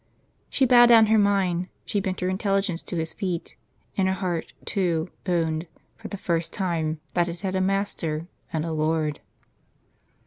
She bowed down her mind, she bent her intelligence to His feet ; and her heart too owned, for the first time, that it had a Master, and a Lord.